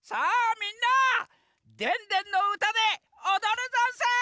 みんな「でんでんのうた」でおどるざんす！